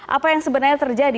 apa yang sebenarnya terjadi